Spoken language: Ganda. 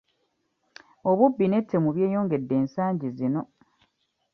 Obubbi n'ettemu byeyongedde ensagi zino.